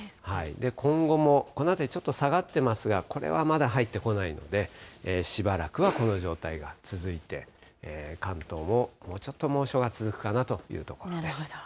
今後も、この辺り、ちょっと下がってますが、これはまだ入ってこないので、しばらくはこの状態が続いて、関東ももうちょっと猛暑が続くかなというところです。